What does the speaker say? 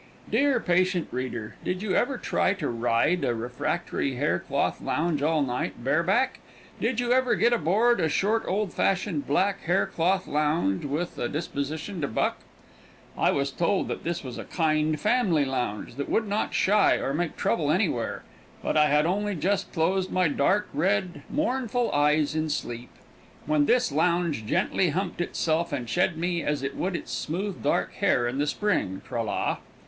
Dear, patient reader, did you every try to ride a refractory hair cloth lounge all night, bare back? Did you ever get aboard a short, old fashioned, black, hair cloth lounge, with a disposition to buck? I was told that this was a kind, family lounge that would not shy or make trouble anywhere, but I had only just closed my dark red and mournful eyes in sleep when this lounge gently humped itself, and shed me as it would its smooth, dark hair in the spring, tra la.